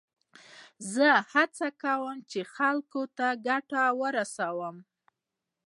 زه هڅه کوم، چي خلکو ته ګټه ورسوم.